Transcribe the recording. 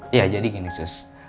iya jadi gini sus